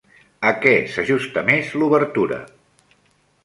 A què s'ajusta més l'obertura?